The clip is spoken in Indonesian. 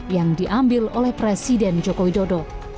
yang diambil oleh presiden jokowi dodo